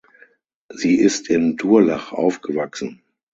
Sie ist in Durlach aufgewachsen.